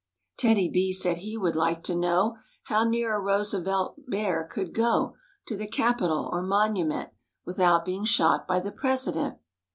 '' TEDDY B said he would like to know How near a Roosevelt Bear could go To the Capitol or Monument Without being shot by the President.